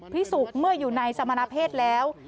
พิสูจน์เมื่ออยู่ในสมณเพศแล้ว